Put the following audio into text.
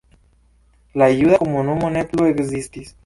La juda komunumo ne plu ekzistis.